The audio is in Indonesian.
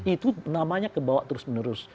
itu namanya kebawa terus menerus